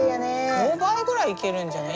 ５倍ぐらいいけるんじゃない？